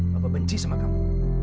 bapak benci sama kamu